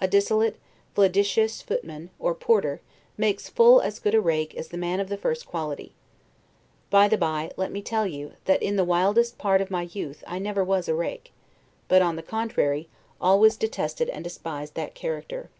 A dissolute, flagitious footman, or porter, makes full as good a rake as a man of the first quality. By the bye, let me tell you, that in the wildest part of my youth, I never was a rake, but, on the contrary, always detested and despised that character.